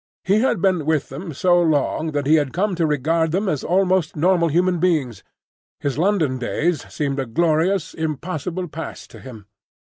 He had been with them so long that he had come to regard them as almost normal human beings. His London days seemed a glorious, impossible past to him.